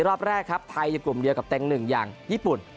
รอบแรกครับไทยจะกลุ่มเดียวกับเต็ม๑อย่างญี่ปุ่น